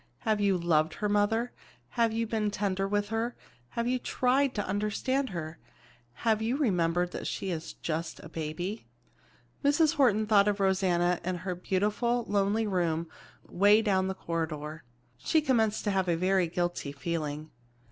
"Have you loved her, mother? Have you been tender with her? Have you tried to understand her? Have you remembered that she is just a baby?" Mrs. Horton thought of Rosanna in her beautiful, lonely room way down the corridor. She commenced to have a very guilty feeling.